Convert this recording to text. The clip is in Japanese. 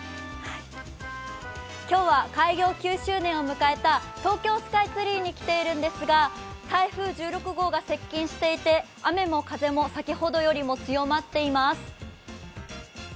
今日は開業９周年を迎えた東京スカイツリーに来ているんですが台風１６号が接近していて雨も風も先ほどよりも強まっています。